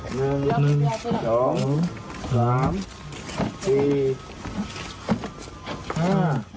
หนึ่งหนึ่งสองสามสี่ห้า